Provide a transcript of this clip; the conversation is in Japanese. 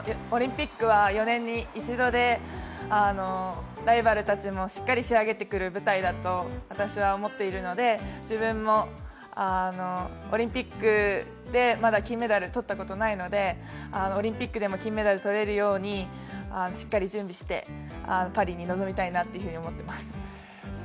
オリンピックは４年に１度で、ライバルたちもしっかり仕上げてくる舞台だと私は思っているので、自分もオリンピックでまだ金メダルをとったことがないのでオリンピックでも金メダル摂れるようにしっかり準備したいです。